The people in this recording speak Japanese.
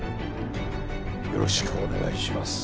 よろしくお願いします。